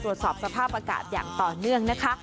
ตรวจสอบสภาพอากาศอย่างต่อเนื่องนะคะ